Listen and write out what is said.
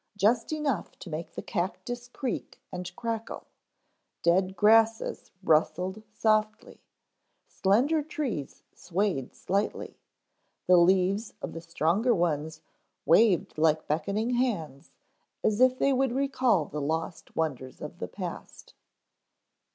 Just enough to make the cactus creak and crackle; dead grasses rustled softly, slender trees swayed slightly, the leaves of the stronger ones waved like beckoning hands as if they would recall the lost wonders of the past.